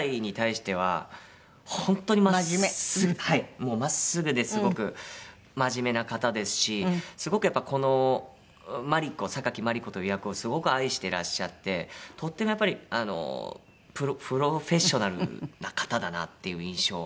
もう真っすぐですごく真面目な方ですしすごくやっぱこのマリコ榊マリコという役をすごく愛してらっしゃってとってもやっぱりあのプロフェッショナルな方だなっていう印象を受けましたね。